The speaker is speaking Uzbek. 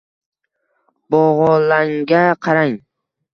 Bog‘olanga qarang.